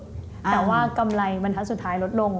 แต่ว่ากำไรบรรทัศน์สุดท้ายลดลง